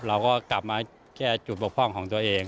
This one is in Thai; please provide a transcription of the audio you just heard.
เราก็กลับมาแก้จุดบกพร่องของตัวเอง